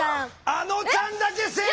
あのちゃんだけ正解です！